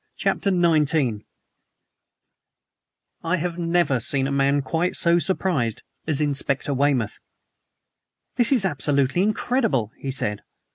CHAPTER XIX I HAVE never seen a man quite so surprised as Inspector Weymouth. "This is absolutely incredible!" he said.